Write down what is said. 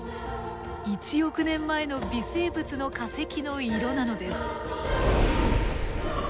１億年前の微生物の化石の色なのです。